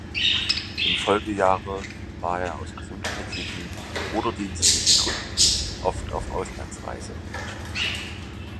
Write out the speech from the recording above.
Im Folgejahre war er aus gesundheitlichen oder dienstlichen Gründen oft auf Auslandsreise.